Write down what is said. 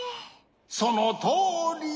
そのとおり！